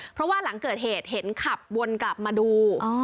เพราะว่าหลังเกิดเหตุเห็นขับวนกลับมาดู